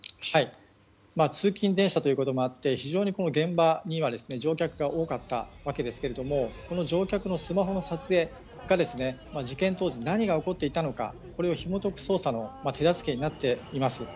通勤電車ということもあって非常に現場には乗客が多かったわけですが乗客のスマホの撮影が事件当時何が起こっていたのかをひも解く捜査の手助けになっています。